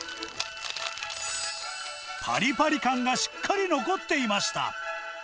ぱりぱり感がしっかり残っていました。